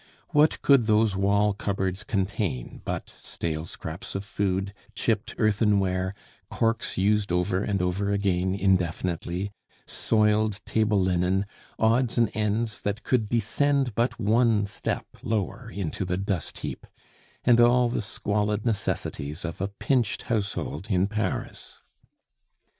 What could those wall cupboards contain but stale scraps of food, chipped earthenware, corks used over and over again indefinitely, soiled table linen, odds and ends that could descend but one step lower into the dust heap, and all the squalid necessities of a pinched household in Paris?